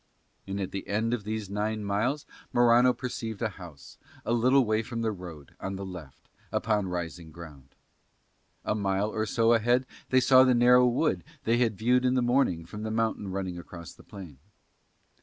And at the end of these nine miles Morano perceived a house, a little way from the road, on the left, upon rising ground. A mile or so ahead they saw the narrow wood that they had viewed in the morning from the mountain running across the plain.